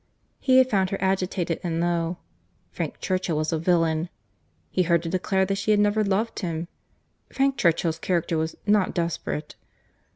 He had found her agitated and low.—Frank Churchill was a villain.— He heard her declare that she had never loved him. Frank Churchill's character was not desperate.